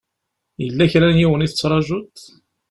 Yella kra n yiwen i tettṛajuḍ?